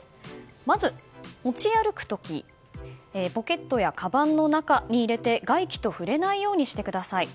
まず、持ち歩く時ポケットやかばんの中に入れて外気と触れないようにしてください。